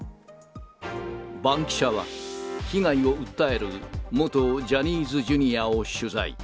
バンキシャは、被害を訴える元ジャニーズＪｒ．を取材。